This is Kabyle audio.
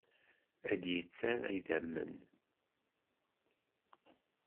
Ad d-yettarra idammen.